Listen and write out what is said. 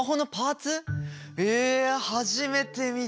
え初めて見た。